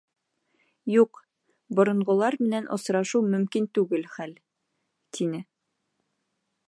Юҡ, боронғолар менән осрашыу мөмкин түгел хәл, тине.